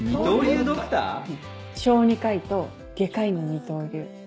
小児科医と外科医の二刀流。